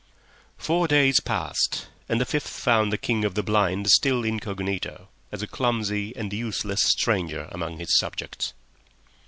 Four days passed and the fifth found the King of the Blind still incognito, as a clumsy and useless stranger among his subjects.